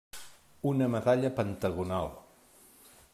Una medalla pentagonal.